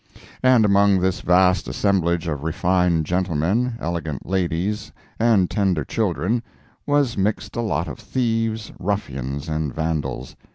And among this vast assemblage of refined gentlemen, elegant ladies, and tender children, was mixed a lot of thieves, ruffians, and vandals.